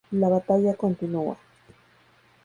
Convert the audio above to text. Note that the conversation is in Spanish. La batalla continúa.